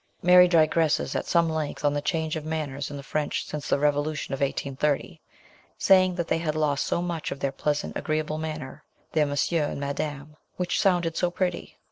Mary digresses at some length on the change of manners in the French since the revolution of 1830, saying that they had lost so much of their pleasant agreeable manner, their Monsieur and Madame, which sounded so pretty.